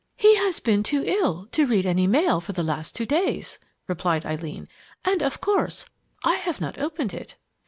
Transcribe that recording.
"He has been too ill to read any mail for the last two days," replied Eileen, "and, of course, I have not opened it."